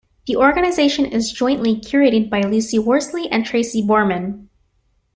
The organisation is jointly curated by Lucy Worsley and Tracy Borman.